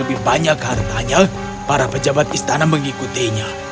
lebih banyak hartanya para pejabat istana mengikutinya